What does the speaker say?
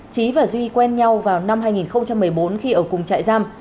trí và duy quen nhau vào năm hai nghìn một mươi bốn khi ở cùng trại giam